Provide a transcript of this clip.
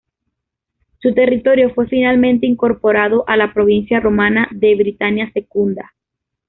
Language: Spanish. Su territorio fue finalmente incorporado a la Provincia romana de Britania Secunda.